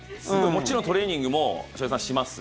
もちろんトレーニングも翔平さん、します。